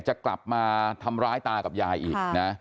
จะกลับมาทำร้ายตากับยายอีกนะ